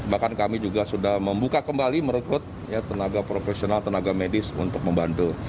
bahkan kami juga sudah membuka kembali merekrut tenaga profesional tenaga medis untuk membantu